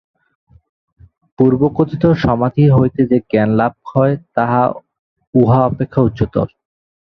পূর্বকথিত সমাধি হইতে যে জ্ঞান লাভ হয়, তাহা উহা অপেক্ষা উচ্চতর।